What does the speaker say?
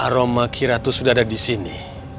aroma kiratu sudah ada di sini